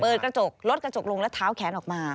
กระจกลดกระจกลงแล้วเท้าแขนออกมา